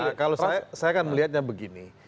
nah kalau saya saya kan melihatnya begini